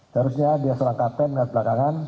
seharusnya dia seorang kapten melihat belakangan